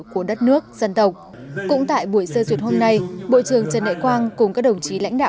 của đất nước dân tộc cũng tại buổi sơ duyệt hôm nay bộ trưởng trần đại quang cùng các đồng chí lãnh đạo